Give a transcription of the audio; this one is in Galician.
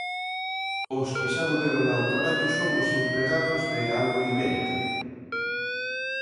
Os que xa volveron ao traballo son os empregados de Alu Ibérica.